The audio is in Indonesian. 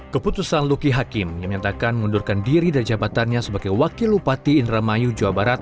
keputusan luki hakim yang menyatakan mengundurkan diri dari jabatannya sebagai wakil upati indramayu jawa barat